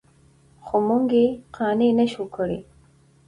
خو موږ یې قانع نه شوو کړی.